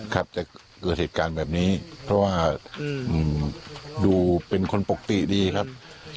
ครับจะเกิดเหตุการณ์แบบนี้เพราะว่าดูเป็นคนปกติดีครับ